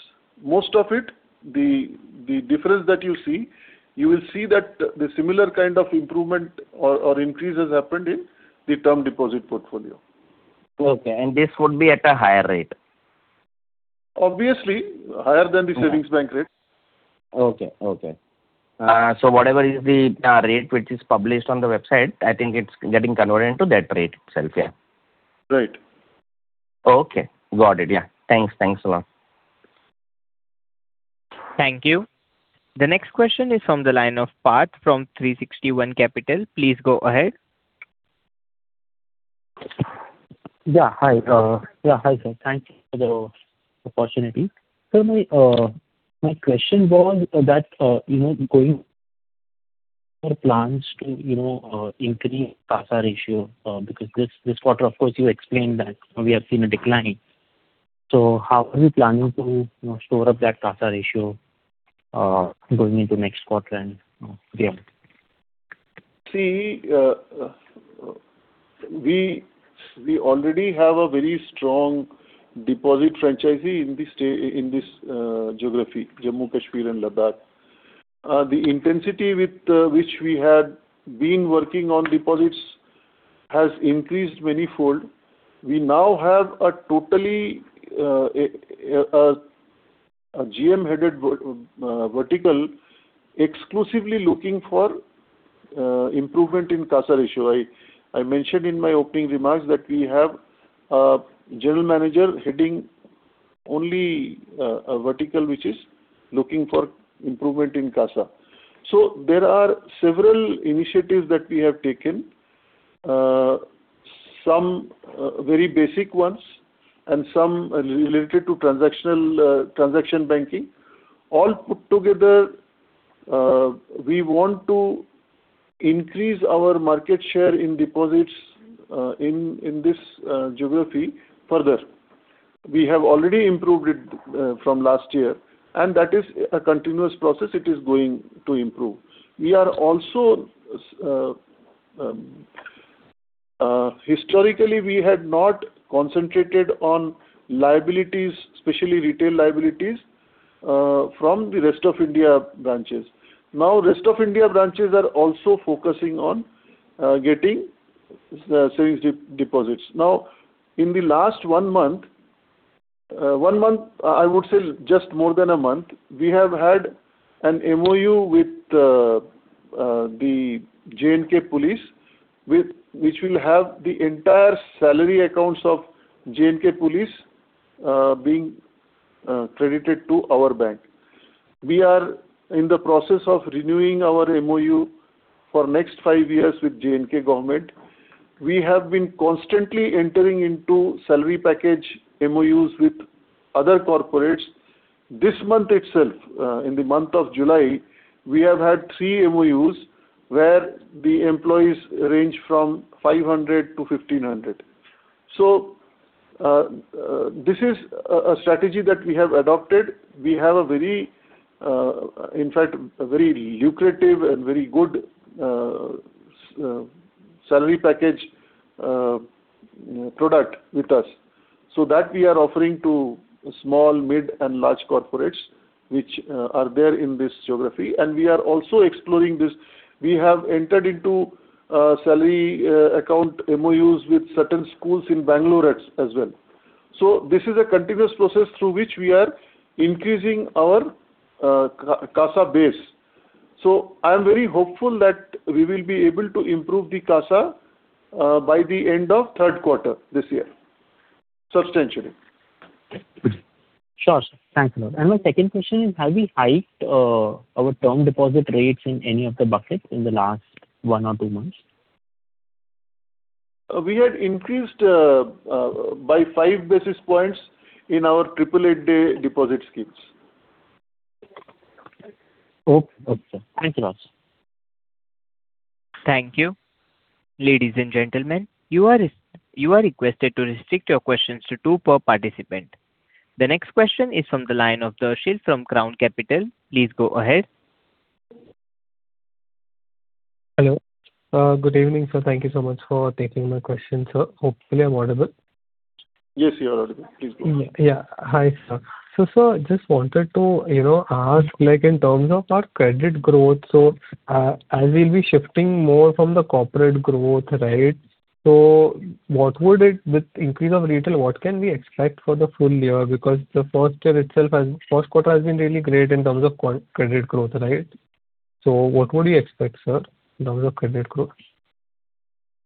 Most of it, the difference that you see, you will see that the similar kind of improvement or increase has happened in the term deposit portfolio. Okay. This would be at a higher rate. Obviously, higher than the savings bank rates. Whatever is the rate which is published on the website, I think it's getting converted into that rate itself, yeah. Right. Okay. Got it, yeah. Thanks a lot. Thank you. The next question is from the line of Parth from 360 ONE Capital. Please go ahead. Hi sir. Thank you for the opportunity. Sir, my question was that, going for plans to increase CASA ratio, because this quarter, of course, you explained that we have seen a decline. How are you planning to store up that CASA ratio going into next quarter and beyond? We already have a very strong deposit franchise in this geography, Jammu and Kashmir, and Ladakh. The intensity with which we had been working on deposits has increased manifold. We now have a totally GM-headed vertical exclusively looking for improvement in CASA ratio. I mentioned in my opening remarks that we have a general manager heading only a vertical which is looking for improvement in CASA. There are several initiatives that we have taken. Some very basic ones and some related to transaction banking. All put together, we want to increase our market share in deposits in this geography further. We have already improved it from last year, and that is a continuous process. It is going to improve. Historically, we had not concentrated on liabilities, especially retail liabilities, from the rest of India branches. Rest of India branches are also focusing on getting savings deposits. In the last one month, I would say just more than a month, we have had an MoU with the J&K Police, which will have the entire salary accounts of J&K Police being credited to our bank. We are in the process of renewing our MoU for next five years with J&K Government. We have been constantly entering into salary package MoUs with other corporates. This month itself, in the month of July, we have had three MoUs where the employees range from 500-1,500. This is a strategy that we have adopted. We have, in fact, a very lucrative and very good salary package product with us. That we are offering to small, mid, and large corporates, which are there in this geography. We are also exploring this. We have entered into a salary account MoUs with certain schools in Bangalore as well. I am very hopeful that we will be able to improve the CASA by the end of third quarter this year, substantially. Sure, sir. Thanks a lot. My second question is, have we hiked our term deposit rates in any of the buckets in the last one or two months? We had increased by five basis points in our 888-Days deposit schemes. Okay, sir. Thank you a lot, sir. Thank you. Ladies and gentlemen, you are requested to restrict your questions to two per participant. The next question is from the line of Darshil from Crown Capital. Please go ahead. Hello. Good evening, sir. Thank you so much for taking my question, sir. Hopefully, I'm audible. Yes, you are audible. Please go ahead. Yeah. Hi, sir. Sir, just wanted to ask, in terms of our credit growth, so as we'll be shifting more from the corporate growth, with increase of retail, what can we expect for the full year? Because the first quarter has been really great in terms of credit growth. Right? What would you expect, sir, in terms of credit growth?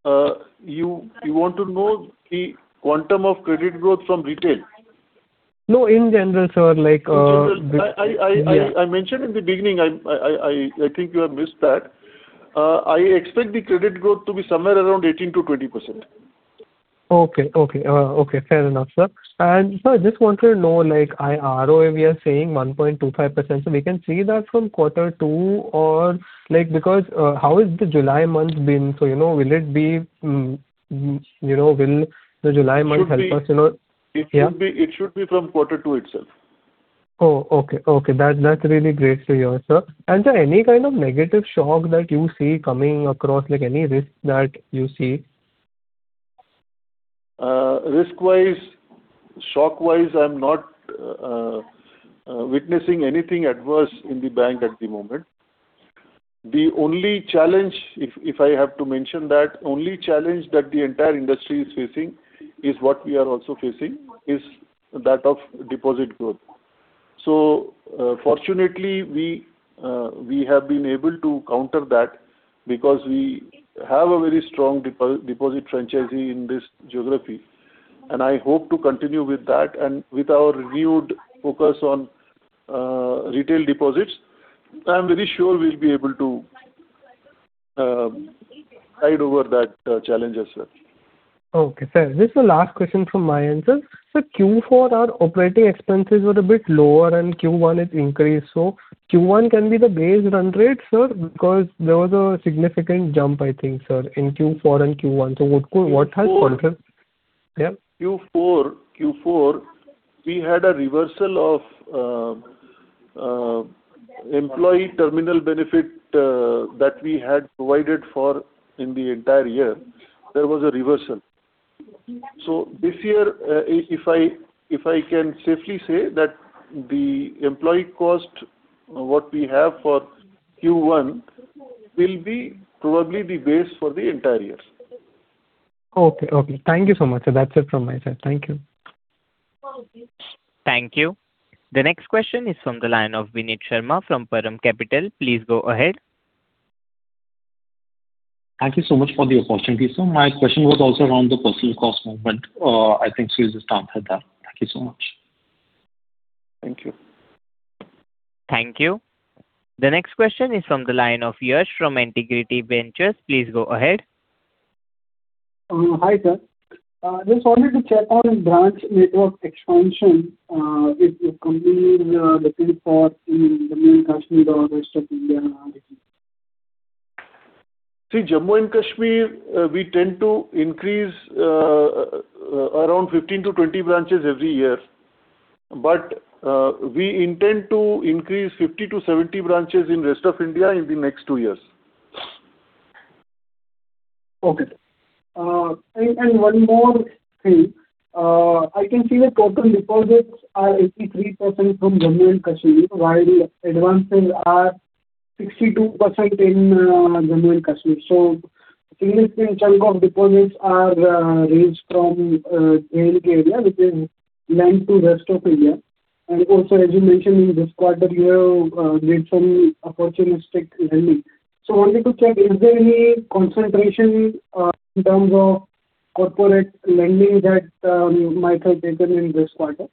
You want to know the quantum of credit growth from retail? No, in general, sir. In general. I mentioned in the beginning, I think you have missed that. I expect the credit growth to be somewhere around 18%-20%. Okay. Fair enough, sir. Sir, just wanted to know, like, IFR, we are saying 1.25%. We can see that from quarter two or because how is the July month been? Will the July month help us? It should be from quarter two itself. Okay. That's really great to hear, sir. Sir, any kind of negative shock that you see coming across, like any risk that you see? Risk-wise, shock-wise, I'm not witnessing anything adverse in the bank at the moment. If I have to mention that, only challenge that the entire industry is facing is what we are also facing, is that of deposit growth. Fortunately, we have been able to counter that because we have a very strong deposit franchise in this geography, and I hope to continue with that and with our renewed focus on retail deposits. I'm very sure we'll be able to ride over that challenge as well. Okay, sir. This is the last question from my end, sir. Sir, Q4, our operating expenses were a bit lower, and Q1 it increased. Q1 can be the base run rate, sir, because there was a significant jump, I think, sir, in Q4 and Q1. What has caused it? Q4, we had a reversal of employee terminal benefit that we had provided for in the entire year. There was a reversal. This year, if I can safely say that the employee cost, what we have for Q1, will be probably the base for the entire year. Okay. Thank you so much. That's it from my side. Thank you. Thank you. The next question is from the line of Vineet Sharma from Param Capital. Please go ahead. Thank you so much for the opportunity. My question was also around the personal cost movement. I think [Surjeet] has answered that. Thank you so much. Thank you. Thank you. The next question is from the line of Yash from Integrity Ventures. Please go ahead. Hi, sir. Just wanted to check on branch network expansion with the company in the field for in Jammu and Kashmir or rest of India. Jammu and Kashmir, we tend to increase around 15-20 branches every year. We intend to increase 50-70 branches in rest of India in the next two years. Okay, sir. One more thing. I can see that total deposits are 83% from Jammu and Kashmir, while advances are 62% in Jammu and Kashmir. Significantly, chunk of deposits are raised from J&K area, which is linked to rest of India. Also, as you mentioned, in this quarter, you have made some opportunistic lending. Only to check, is there any concentration in terms of corporate lending that might have taken in this quarter?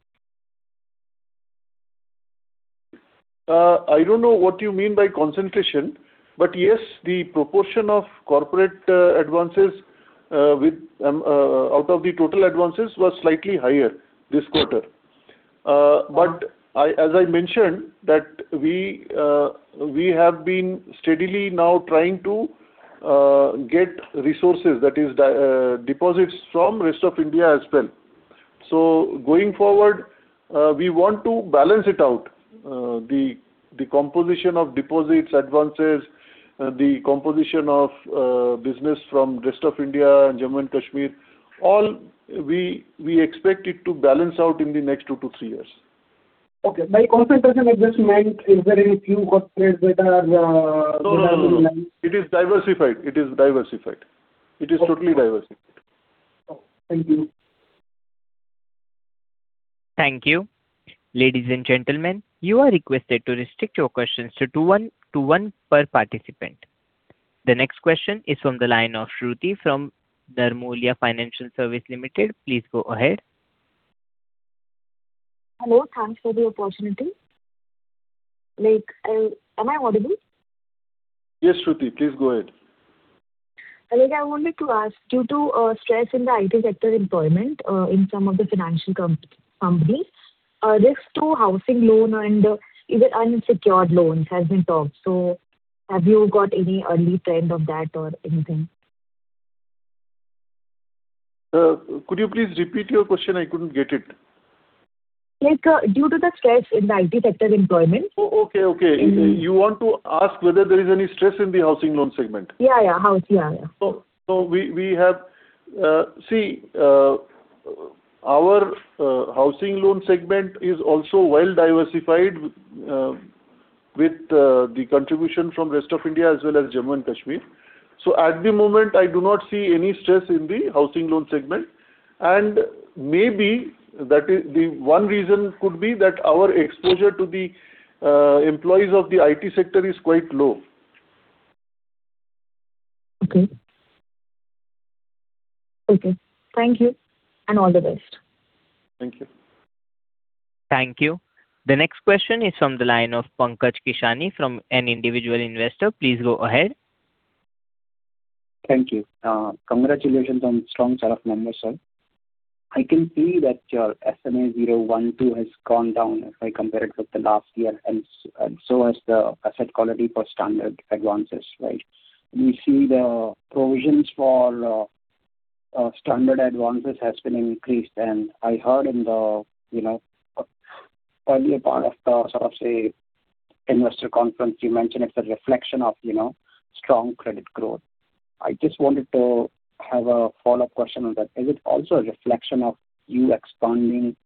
I don't know what you mean by concentration, but yes, the proportion of corporate advances out of the total advances was slightly higher this quarter. As I mentioned, that we have been steadily now trying to get resources, that is deposits from rest of India as well. Going forward, we want to balance it out. The composition of deposits, advances, the composition of business from rest of India and Jammu and Kashmir, all we expect it to balance out in the next two to three years. Okay. By concentration I just meant is there any few corporates that are- No. It is totally diversified. Okay. Thank you. Thank you. Ladies and gentlemen, you are requested to restrict your questions to one per participant. The next question is from the line of Shruti from [Dharmolia Financial Services Limited]. Please go ahead. Hello. Thanks for the opportunity. Am I audible? Yes, Shruti, please go ahead. I wanted to ask, due to stress in the IT sector employment in some of the financial companies, risk to housing loan and even unsecured loans has been talked. Have you got any early trend of that or anything? Could you please repeat your question? I couldn't get it. Due to the stress in the IT sector employment- Okay. You want to ask whether there is any stress in the housing loan segment? House, yeah. Our housing loan segment is also well diversified with the contribution from rest of India as well as Jammu and Kashmir. At the moment, I do not see any stress in the housing loan segment, and maybe the one reason could be that our exposure to the employees of the IT sector is quite low. Thank you and all the best. Thank you. Thank you. The next question is from the line of Pankaj Kishnani from an Individual Investor. Please go ahead. Thank you. Congratulations on strong set of numbers, sir. I can see that your SMA 0-1-2 has gone down if I compare it with the last year, and so has the asset quality for standard advances, right? We see the provisions for standard advances has been increased, and I heard in the earlier part of the investor conference, you mentioned it's a reflection of strong credit growth. I just wanted to have a follow-up question on that. Is it also a reflection of you expanding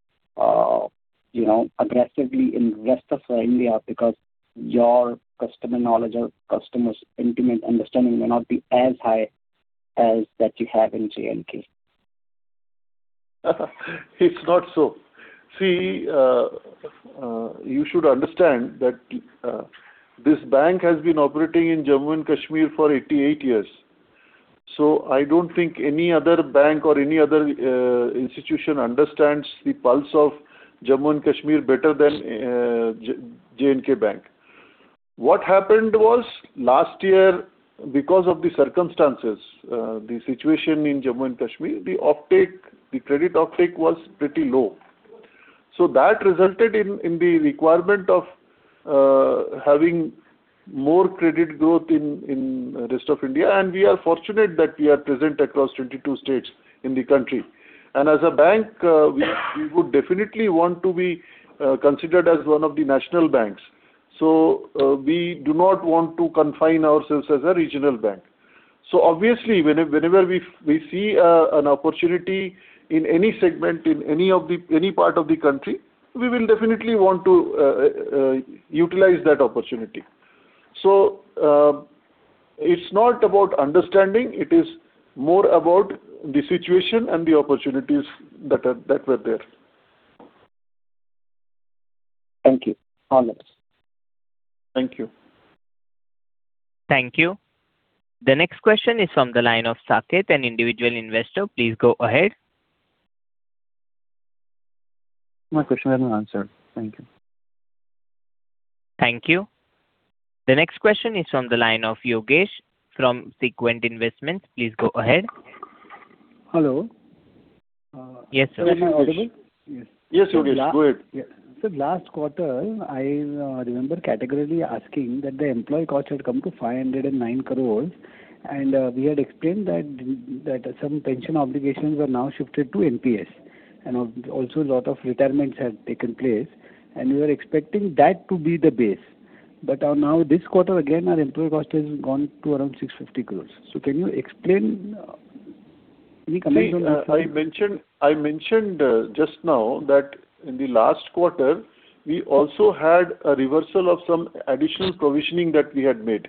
aggressively in rest of India because your customer knowledge or customers' intimate understanding may not be as high as that you have in J&K? It's not so. See, you should understand that this bank has been operating in Jammu and Kashmir for 88 years. I don't think any other bank or any other institution understands the pulse of Jammu and Kashmir better than J&K Bank. What happened was, last year, because of the circumstances, the situation in Jammu and Kashmir, the credit uptake was pretty low. That resulted in the requirement of having more credit growth in rest of India, and we are fortunate that we are present across 22 states in the country. As a bank, we would definitely want to be considered as one of the national banks. We do not want to confine ourselves as a regional bank. Obviously, whenever we see an opportunity in any segment, in any part of the country, we will definitely want to utilize that opportunity. It's not about understanding, it is more about the situation and the opportunities that were there. Thank you. All the best. Thank you. Thank you. The next question is from the line of Saket, an Individual Investor. Please go ahead. My question has been answered. Thank you. Thank you. The next question is from the line of Yogesh from Sequent Investments. Please go ahead. Hello. Yes, Yogesh. Am I audible? Yes, Yogesh, go ahead. Sir, last quarter, I remember categorically asking that the employee cost had come to 509 crore. We had explained that some pension obligations are now shifted to NPS. Also, a lot of retirements have taken place, and we were expecting that to be the base. Now this quarter, again, our employee cost has gone to around 650 crore. Can you explain any comments on this? I mentioned just now that in the last quarter, we also had a reversal of some additional provisioning that we had made.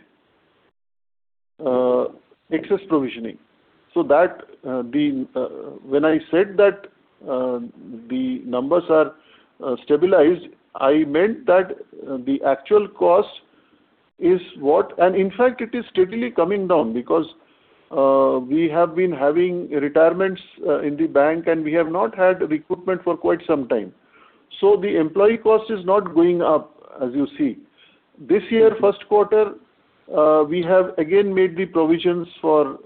Excess provisioning. When I said that the numbers are stabilized, I meant that the actual cost. In fact, it is steadily coming down because we have been having retirements in the bank and we have not had recruitment for quite some time. The employee cost is not going up, as you see. This year, first quarter, we have again made the provisions for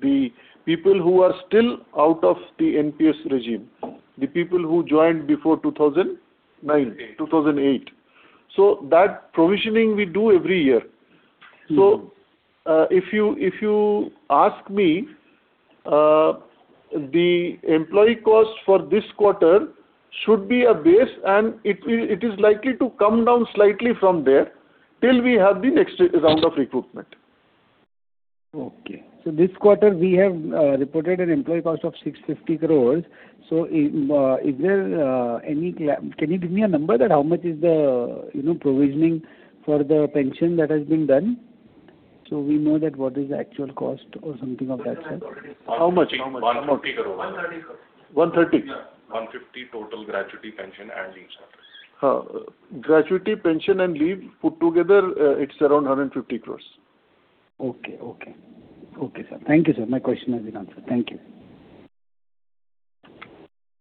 the people who are still out of the NPS regime, the people who joined before 2009. 2008. 2008. That provisioning we do every year. If you ask me, the employee cost for this quarter should be a base, and it is likely to come down slightly from there till we have the next round of recruitment. Okay. This quarter we have reported an employee cost of 650 crores. Can you give me a number that how much is the provisioning for the pension that has been done? We know that what is the actual cost or something of that sort. How much? INR 150 crore. 130 crore. 130? Yeah. 150 total gratuity, pension, and leave. Gratuity, pension, and leave put together, it's around 150 crores. Okay. Okay, sir. Thank you, sir. My question has been answered. Thank you.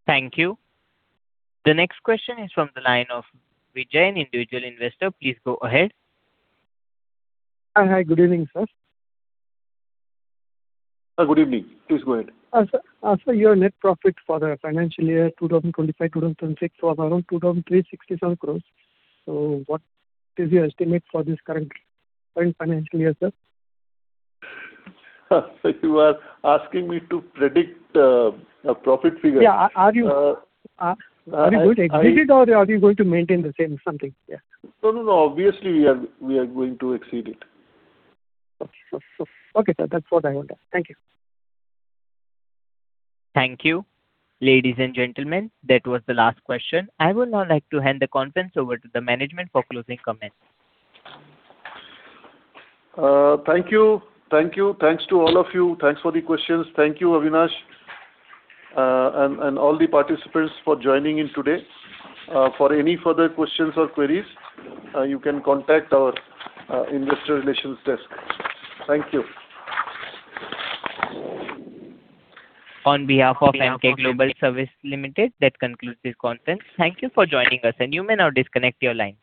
Thank you. The next question is from the line of Vijay, an Individual Investor. Please go ahead. Hi. Good evening, sir. Sir, good evening. Please go ahead. Sir, your net profit for the financial year 2025-2026 was around 2,367 crore. What is your estimate for this current financial year, sir? You are asking me to predict a profit figure. Yeah. Are you going to exceed it or are you going to maintain the same something? No, obviously, we are going to exceed it. Okay, sir. That's what I wanted. Thank you. Thank you. Ladies and gentlemen, that was the last question. I would now like to hand the conference over to the management for closing comments. Thank you. Thanks to all of you. Thanks for the questions. Thank you, Avinash, and all the participants for joining in today. For any further questions or queries, you can contact our investor relations desk. Thank you. On behalf of Emkay Global Services Ltd, that concludes this conference. Thank you for joining us, and you may now disconnect your line.